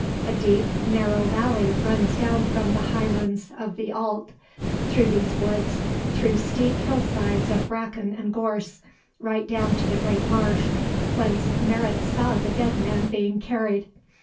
A deep, narrow valley runs down from the high lands of the Allt, through these woods, through steep hillsides of bracken and gorse, right down to the great marsh, whence Merritt saw the dead man being carried.